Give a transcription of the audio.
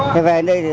đó vô qua